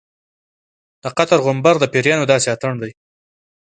د قطر غومبر د پیریانو داسې اتڼ دی.